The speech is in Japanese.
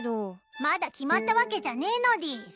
まだ決まったわけじゃねいのでぃす。